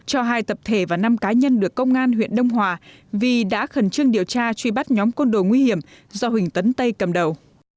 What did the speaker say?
cho hai tập thể và năm cá nhân được công an huyện đông hòa vì đã khẩn trương điều tra truy bắt nhóm côn đồ nguy hiểm do huỳnh tấn tây cầm đầu